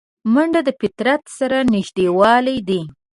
منډه د فطرت سره نږدېوالی دی